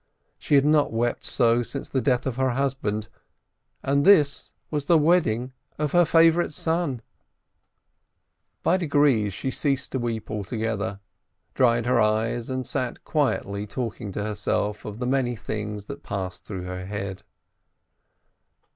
She had not wept so since the death of her husband, and this was the wedding of her favorite son ! By degrees she ceased to weep altogether, dried her eyes, and sat quietly talking to herself of the many things that passed through her head.